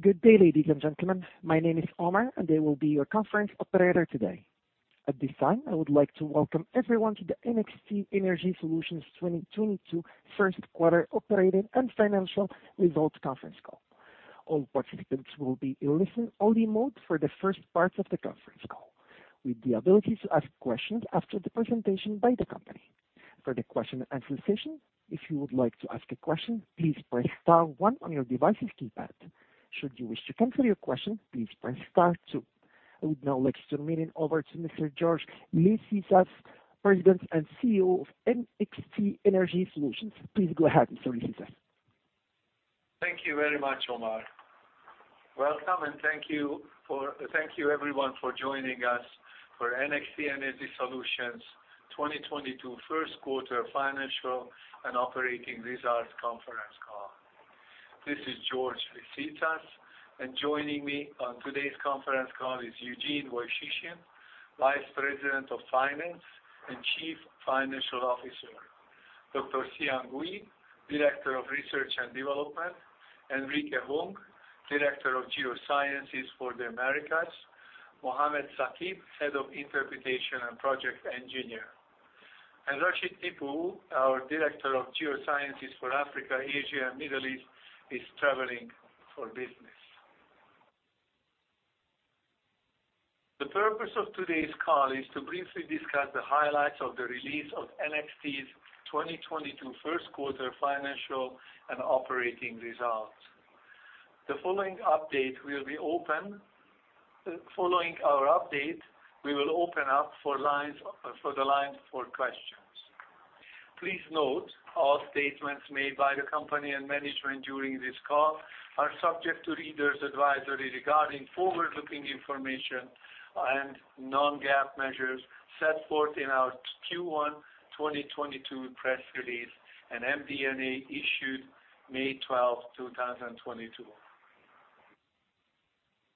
Good day, ladies and gentlemen. My name is Omar, and I will be your conference operator today. At this time, I would like to welcome everyone to the NXT Energy Solutions 2022 First Quarter Operating and Financial Results Conference Call. All participants will be in listen only mode for the first part of the conference call, with the ability to ask questions after the presentation by the company. For the question and answer session, if you would like to ask a question, please press star one on your device's keypad. Should you wish to cancel your question, please press star two. I would now like to turn the meeting over to Mr. George Liszicasz, President and CEO of NXT Energy Solutions. Please go ahead, Mr. Liszicasz. Thank you very much, Omar. Welcome and thank you everyone for joining us for NXT Energy Solutions 2022 first quarter financial and operating results conference call. This is George Liszicasz. Joining me on today's conference call is Eugene Woychyshyn, Vice President of Finance and Chief Financial Officer, Dr. Xiang Gui, Director of Research and Development, Enrique Hung, Director of Geosciences for the Americas, Mohammed Saqib, Head of Interpretation and Project Engineer. Rashid Tippu, our Director of Geosciences for Africa, Asia, and Middle East is traveling for business. The purpose of today's call is to briefly discuss the highlights of the release of NXT's 2022 first quarter financial and operating results. Following our update, we will open up for the lines for questions. Please note all statements made by the company and management during this call are subject to readers' advisory regarding forward-looking information and non-GAAP measures set forth in our Q1 2022 press release and MD&A issued May 12th, 2022.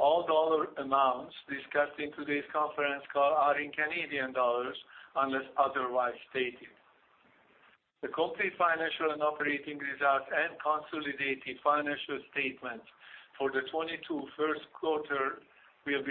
All dollar amounts discussed in today's conference call are in Canadian dollars unless otherwise stated. The complete financial and operating results and consolidated financial statements for the 2022 first quarter were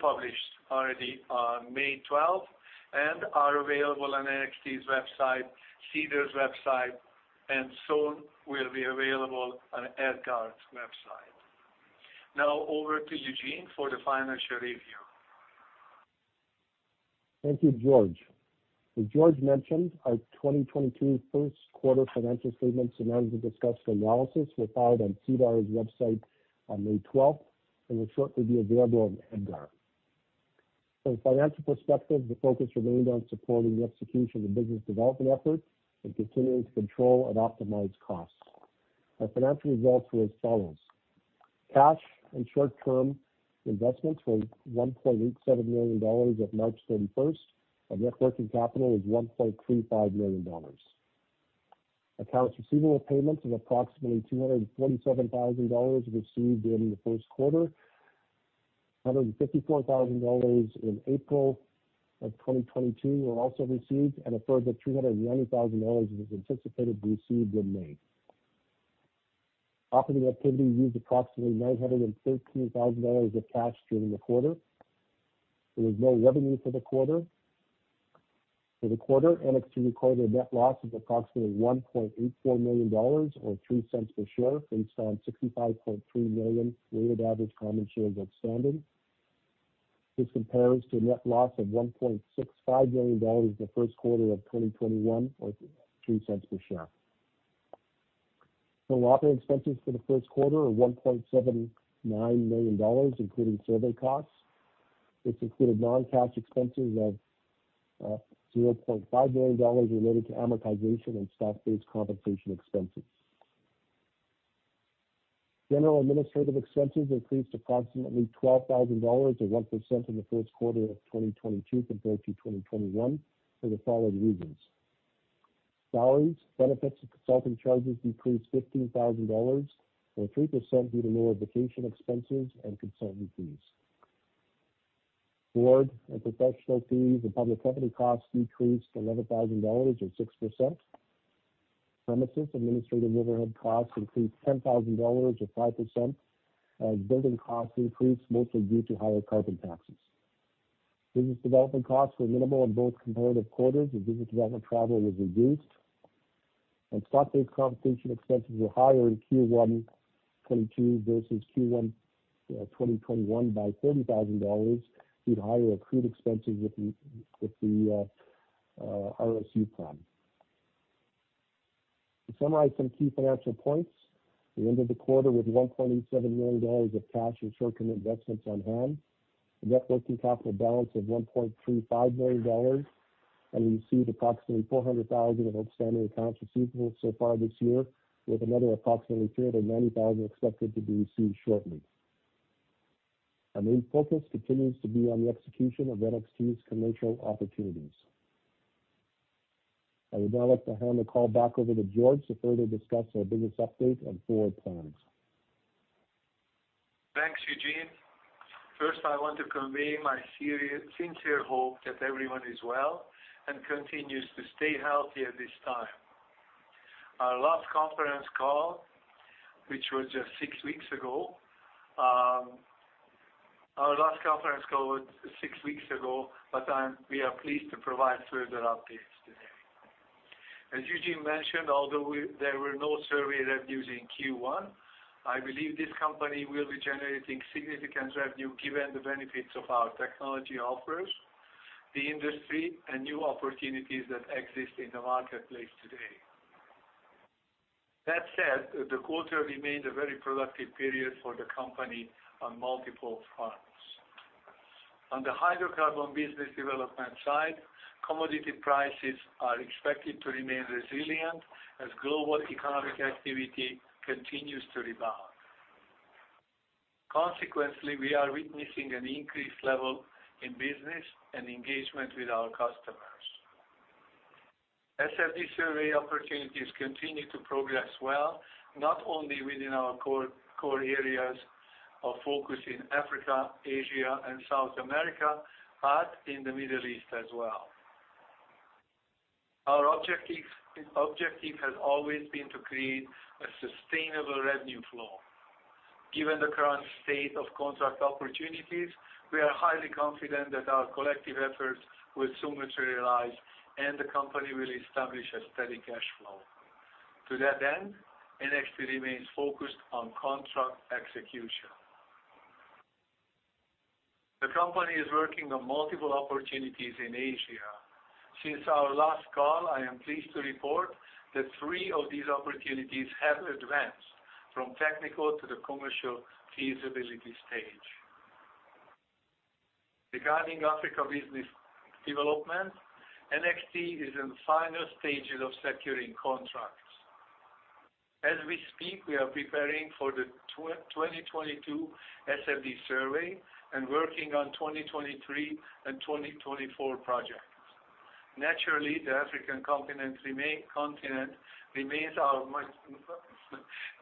published already on May 12th and are available on NXT's website, SEDAR's website, and soon will be available on EDGAR's website. Now over to Eugene for the financial review. Thank you, George. As George mentioned, our 2022 first quarter financial statements and MD&A were filed on SEDAR's website on May 12th and will shortly be available on EDGAR. From a financial perspective, the focus remained on supporting the execution of the business development efforts and continuing to control and optimize costs. Our financial results were as follows. Cash and short-term investments were 1.87 million dollars at March 31st, and net working capital was 1.35 million dollars. Accounts receivable payments of approximately 247,000 dollars were received during the first quarter. 154,000 dollars in April 2022 were also received, and a further 390,000 dollars is anticipated to be received in May. Operating activity used approximately 913,000 dollars of cash during the quarter. There was no revenue for the quarter. For the quarter, NXT recorded a net loss of approximately $1.84 million or 0.02 per share based on 65.3 million weighted average common shares outstanding. This compares to a net loss of 1.65 million dollars in the first quarter of 2021 or 0.02 per share. Operating expenses for the first quarter are 1.79 million dollars, including survey costs. This included non-cash expenses of $0.5 million related to amortization and stock-based compensation expenses. General administrative expenses increased approximately 12,000 dollars or 1% in the first quarter of 2022 compared to 2021 for the following reasons. Salaries, benefits, and consulting charges decreased 15,000 dollars or 3% due to lower vacation expenses and consulting fees. Board and professional fees and public company costs decreased 11,000 dollars or 6%. Premises administrative overhead costs increased 10,000 dollars or 5% as building costs increased mostly due to higher carbon taxes. Business development costs were minimal in both comparative quarters and business development travel was reduced. Stock-based compensation expenses were higher in Q1 2022 versus Q1 2021 by CAD 30,000 due to higher accrued expenses with the RSU plan. To summarize some key financial points, we ended the quarter with 1.87 million dollars of cash and short-term investments on hand, a net working capital balance of 1.35 million dollars, and we received approximately 400,000 of outstanding accounts receivable so far this year, with another approximately 390,000 expected to be received shortly. Our main focus continues to be on the execution of NXT's commercial opportunities. I would now like to hand the call back over to George to further discuss our business update and forward plans. Thanks, Eugene. First, I want to convey my sincere hope that everyone is well and continues to stay healthy at this time. Our last conference call, which was just six weeks ago, but we are pleased to provide further updates today. As Eugene mentioned, although there were no survey revenues in Q1, I believe this company will be generating significant revenue given the benefits of our technology offers to the industry, and new opportunities that exist in the marketplace today. That said, the quarter remained a very productive period for the company on multiple fronts. On the hydrocarbon business development side, commodity prices are expected to remain resilient as global economic activity continues to rebound. Consequently, we are witnessing an increased level in business and engagement with our customers. SFD survey opportunities continue to progress well, not only within our core areas of focus in Africa, Asia and South America, but in the Middle East as well. Our objective has always been to create a sustainable revenue flow. Given the current state of contract opportunities, we are highly confident that our collective efforts will soon materialize and the company will establish a steady cash flow. To that end, NXT remains focused on contract execution. The company is working on multiple opportunities in Asia. Since our last call, I am pleased to report that three of these opportunities have advanced from technical to the commercial feasibility stage. Regarding Africa business development, NXT is in final stages of securing contracts. As we speak, we are preparing for the 2022 SFD survey and working on 2023 and 2024 projects. Naturally, the African continent remains our most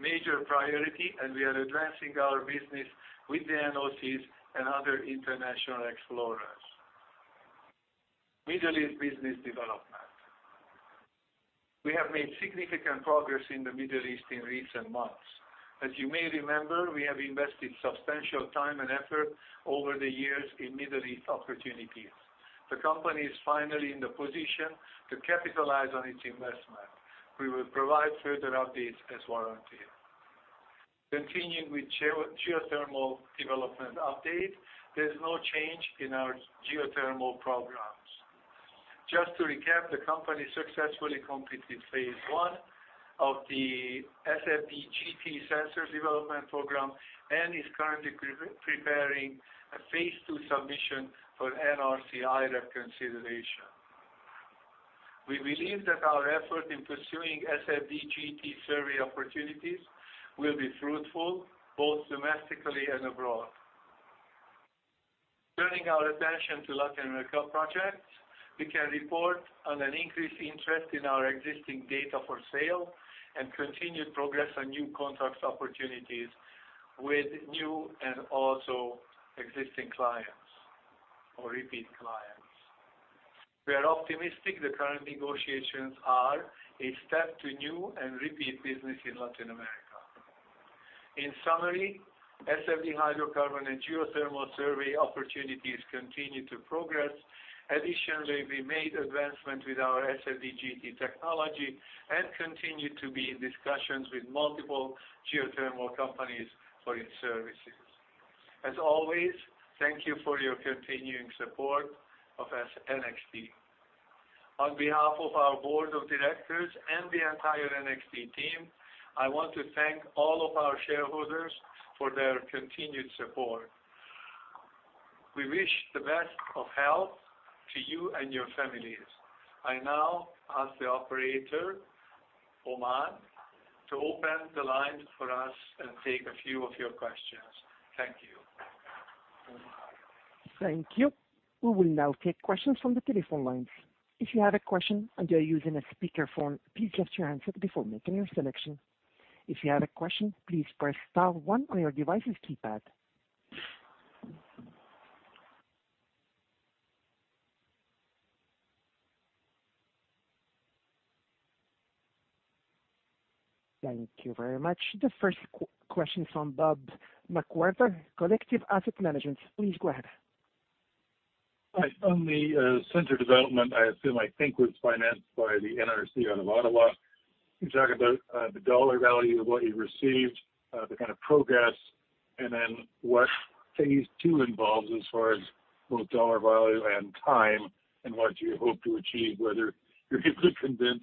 major priority, and we are advancing our business with the NOCs and other international explorers. Middle East business development. We have made significant progress in the Middle East in recent months. As you may remember, we have invested substantial time and effort over the years in Middle East opportunities. The company is finally in the position to capitalize on its investment. We will provide further updates as warranted. Continuing with geothermal development update. There's no change in our geothermal programs. Just to recap, the company successfully completed phase I of the SFDGT sensors development program and is currently preparing a phase II submission for NRC IRAP consideration. We believe that our effort in pursuing SFDGT survey opportunities will be fruitful both domestically and abroad. Turning our attention to Latin America projects, we can report on an increased interest in our existing data for sale and continued progress on new contract opportunities with new and also existing clients or repeat clients. We are optimistic the current negotiations are a step to new and repeat business in Latin America. In summary, SFD hydrocarbon and geothermal survey opportunities continue to progress. Additionally, we made advancement with our SFDGT technology and continue to be in discussions with multiple geothermal companies for its services. As always, thank you for your continuing support of NXT. On behalf of our board of directors and the entire NXT team, I want to thank all of our shareholders for their continued support. We wish the best of health to you and your families. I now ask the operator, Omar, to open the line for us and take a few of your questions. Thank you. Thank you. We will now take questions from the telephone lines. If you have a question and you're using a speakerphone, please mute your handset before making your selection. If you have a question, please press star one on your device's keypad. Thank you very much. The first question's from Bob McWhirter, Collective Asset Management. Please go ahead. Hi. On the sensor development, I assume, I think, was financed by the NRC out of Ottawa. Can you talk about the dollar value of what you received, the kind of progress, and then what phase II involves as far as both dollar value and time, and what you hope to achieve, whether you're able to convince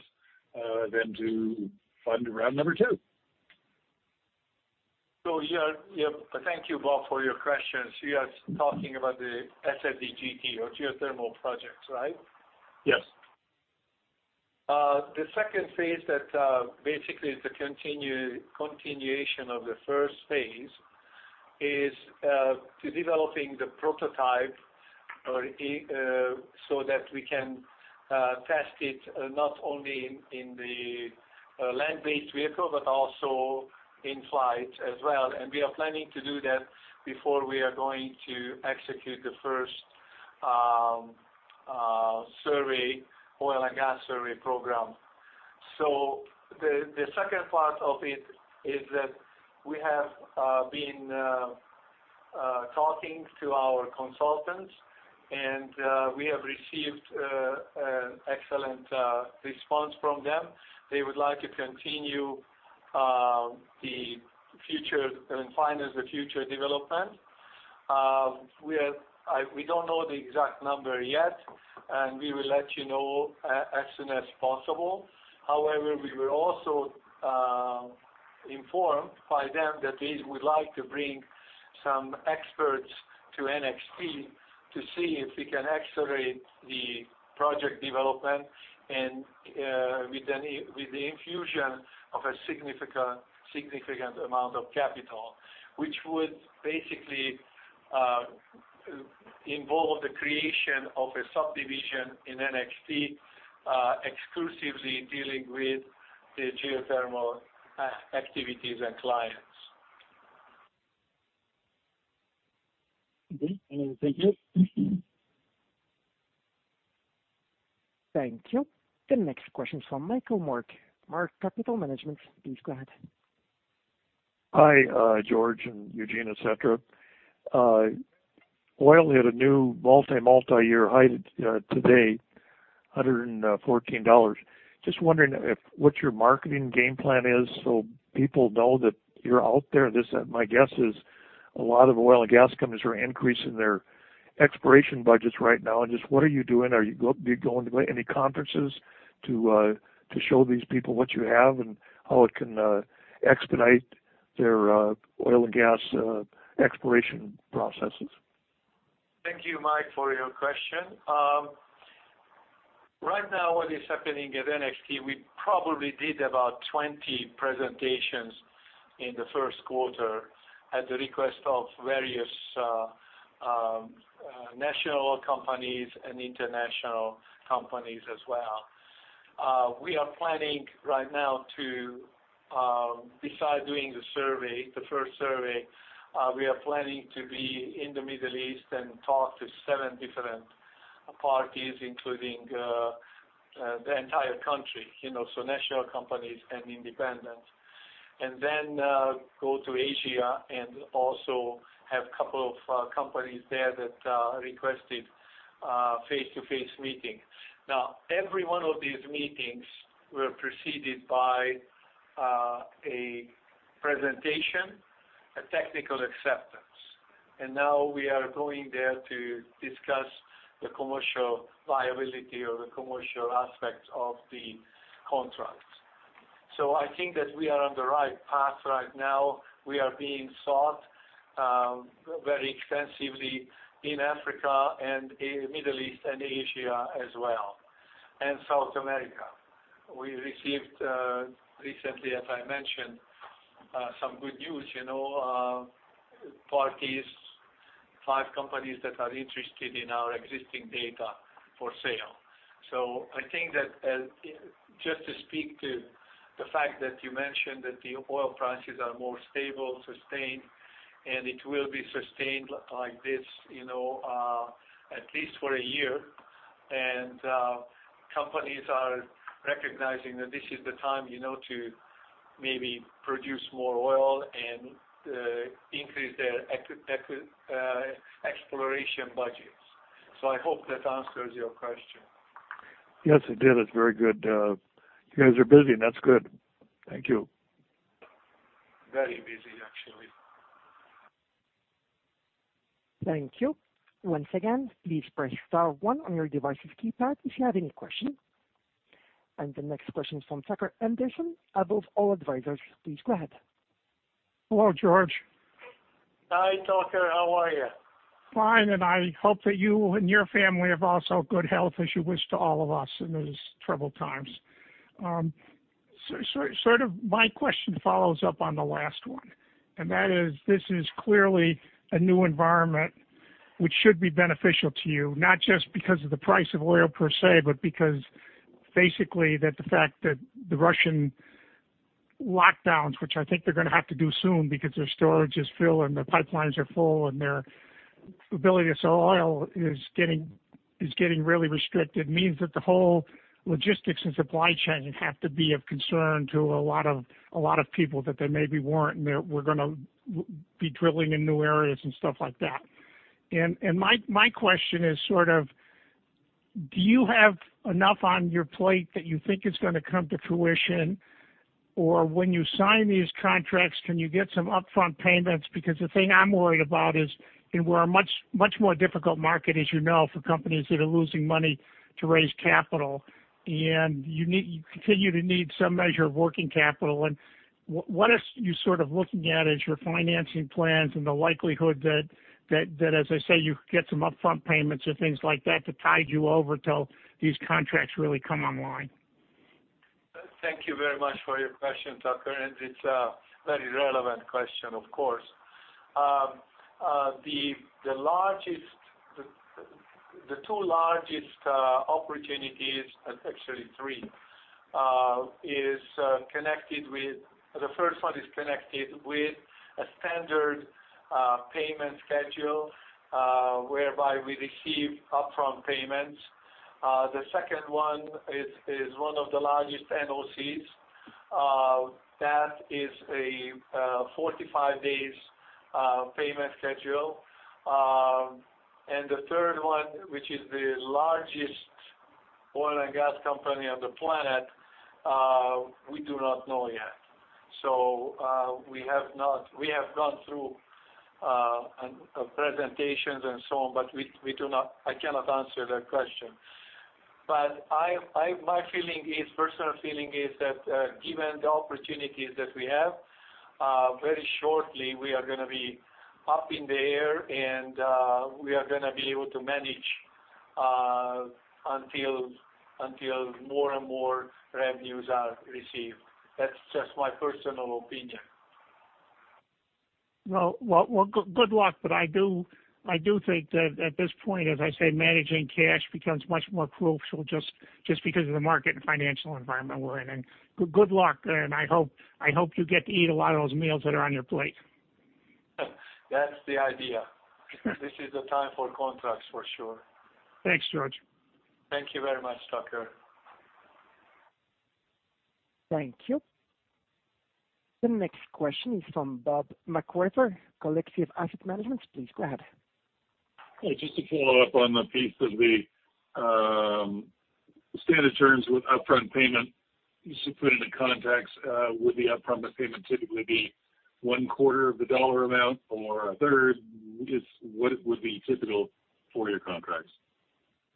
them to fund round number two? Yeah. Thank you, Bob, for your questions. You are talking about the SFDGT or geothermal projects, right? Yes. The second phase that basically is the continuation of the first phase is to developing the prototype so that we can test it not only in the land-based vehicle, but also in flight as well. We are planning to do that before we are going to execute the first oil and gas survey program. The second part of it is that we have been talking to our consultants and we have received an excellent response from them. They would like to continue to further and finance the future development. We don't know the exact number yet, and we will let you know as soon as possible. However, we were also informed by them that they would like to bring some experts to NXT to see if we can accelerate the project development and with the infusion of a significant amount of capital, which would basically involve the creation of a subdivision in NXT exclusively dealing with the geothermal activities and clients. Okay. Thank you. The next question from Michael Mark, MARK Capital Management, please go ahead. Hi, George and Eugene, et cetera. Oil hit a new multi-year high today, 114 dollars. Just wondering what your marketing game plan is so people know that you're out there. This, my guess is a lot of oil and gas companies are increasing their exploration budgets right now. Just what are you doing? Are you going to any conferences to show these people what you have and how it can expedite their oil and gas exploration processes? Thank you, Mike, for your question. Right now, what is happening at NXT, we probably did about 20 presentations in the first quarter at the request of various national companies and international companies as well. We are planning right now to, beside doing the survey, the first survey, we are planning to be in the Middle East and talk to seven different parties, including the entire country, you know, so national companies and independents. Go to Asia and also have a couple of companies there that requested face-to-face meetings. Now, every one of these meetings were preceded by a presentation, a technical acceptance. Now we are going there to discuss the commercial viability or the commercial aspects of the contracts. I think that we are on the right path right now. We are being sought very extensively in Africa and in Middle East and Asia as well, and South America. We received recently, as I mentioned, some good news, you know, parties, five companies that are interested in our existing data for sale. I think that just to speak to the fact that you mentioned that the oil prices are more stable, sustained, and it will be sustained like this, you know, at least for a year. Companies are recognizing that this is the time, you know, to maybe produce more oil and increase their exploration budgets. I hope that answers your question. Yes, it did. It's very good. You guys are busy, and that's good. Thank you. Very busy, actually. Thank you. Once again, please press star one on your device's keypad if you have any questions. The next question from Tucker Anderson, Above All Advisors. Please go ahead. Hello, George. Hi, Tucker. How are you? Fine. I hope that you and your family have also good health as you wish to all of us in these troubled times. Sort of my question follows up on the last one, and that is, this is clearly a new environment which should be beneficial to you, not just because of the price of oil per se, but because basically that the fact that the Russian lockdowns, which I think they're gonna have to do soon because their storage is filled and their pipelines are full and their ability to sell oil is getting really restricted, means that the whole logistics and supply chain have to be of concern to a lot of people that they maybe weren't, and they're gonna be drilling in new areas and stuff like that. My question is sort of, do you have enough on your plate that you think is gonna come to fruition? Or when you sign these contracts, can you get some upfront payments? Because the thing I'm worried about is, we're in a much, much more difficult market, as you know, for companies that are losing money to raise capital. You continue to need some measure of working capital. What are you sort of looking at as your financing plans and the likelihood that, as I say, you get some upfront payments or things like that to tide you over till these contracts really come online? Thank you very much for your question, Tucker. It's a very relevant question, of course. The two largest opportunities, actually three, is connected with. The first one is connected with a standard payment schedule, whereby we receive upfront payments. The second one is one of the largest NOCs, that is a 45-day payment schedule. The third one, which is the largest oil and gas company on the planet, we do not know yet. We have gone through presentations and so on, but we do not—I cannot answer that question. But I, My feeling is, personal feeling is that, given the opportunities that we have, very shortly, we are gonna be up in the air and we are gonna be able to manage until more and more revenues are received. That's just my personal opinion. Well, good luck. I do think that at this point, as I say, managing cash becomes much more crucial just because of the market and financial environment we're in. Good luck. I hope you get to eat a lot of those meals that are on your plate. That's the idea. This is the time for contracts for sure. Thanks, George. Thank you very much, Tucker. Thank you. The next question is from Bob McWhirter, Collective Asset Management. Please go ahead. Just to follow up on the piece of the standard terms with upfront payment put in the contracts. Would the upfront payment typically be one quarter of the dollar amount or a third? Just what would be typical for your contracts?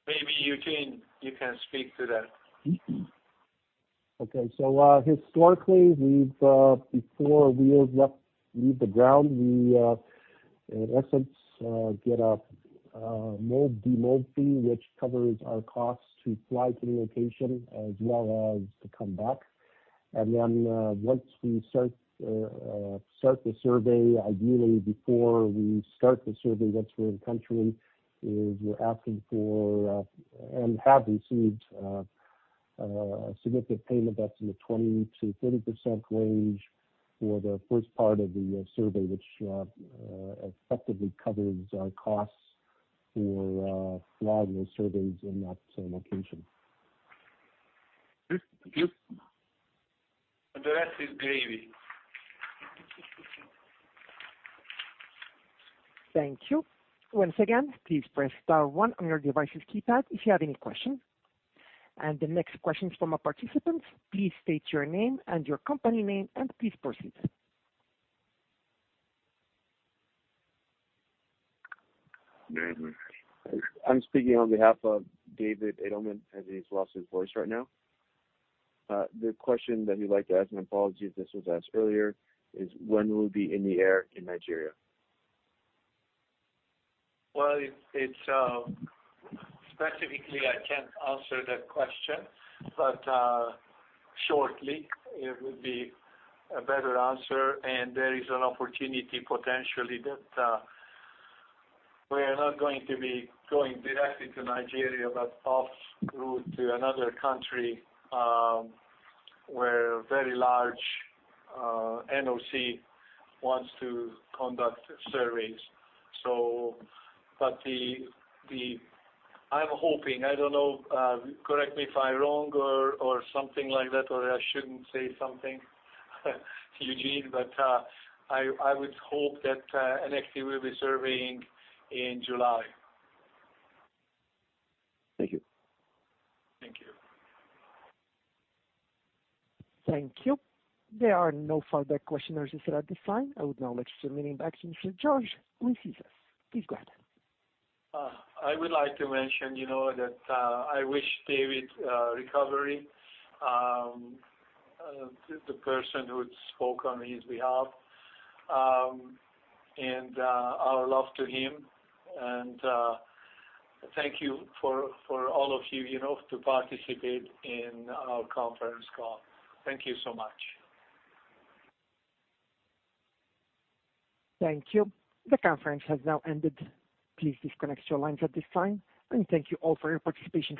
Maybe Eugene, you can speak to that. Okay. Historically, we've before wheels leave the ground, we in essence get a mob/demob fee, which covers our costs to fly to the location as well as to come back. Then, once we start the survey, ideally before we start the survey, once we're in country, we're asking for and have received a significant payment that's in the 20%-30% range for the first part of the survey, which effectively covers our costs for flying the surveys in that same location. Thank you. The rest is gravy. Thank you. Once again, please press star one on your device's keypad if you have any questions. The next question is from a participant. Please state your name and your company name, and please proceed. I'm speaking on behalf of David Adelstein, as he's lost his voice right now. The question that he'd like to ask, and apologies if this was asked earlier, is when will we be in the air in Nigeria? Specifically, I can't answer that question, but shortly it would be a better answer. There is an opportunity potentially that we are not going to be going directly to Nigeria, but off route to another country where a very large NOC wants to conduct surveys. I'm hoping, I don't know, correct me if I'm wrong or something like that, or I shouldn't say something, Eugene, but I would hope that NXT will be surveying in July. Thank you. Thank you. Thank you. There are no further questions at this time. I would now like to turn it back to Mr. George Liszicasz. Please go ahead. I would like to mention, you know, that I wish David a recovery, the person who spoke on his behalf, and our love to him. Thank you for all of you know, to participate in our conference call. Thank you so much. Thank you. The conference has now ended. Please disconnect your lines at this time, and thank you all for your participation.